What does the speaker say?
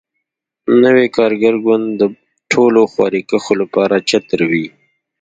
نوی کارګر ګوند د ټولو خواریکښو لپاره چتر وي.